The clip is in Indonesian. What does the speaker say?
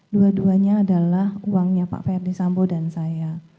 dua duanya adalah uangnya pak ferdisambo dan saya